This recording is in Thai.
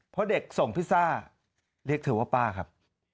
พอเด็กส่งพิซซ่าเรียกเธอว่าป้าครับ